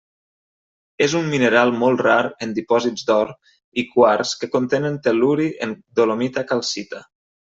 És un mineral molt rar en dipòsits d'or i quars que contenen tel·luri en dolomita–calcita.